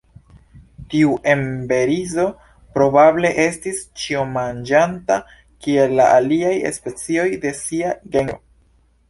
Tiu emberizo probable estis ĉiomanĝanta, kiel la aliaj specioj de sia genro.